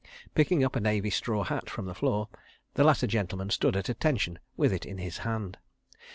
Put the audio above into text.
Picking up a Navy straw hat from the floor, the latter gentleman stood at attention with it in his hand.